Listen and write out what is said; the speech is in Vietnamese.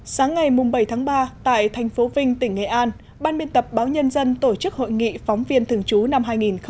sáng ngày bảy tháng ba tại thành phố vinh tỉnh nghệ an ban biên tập báo nhân dân tổ chức hội nghị phóng viên thường trú năm hai nghìn một mươi chín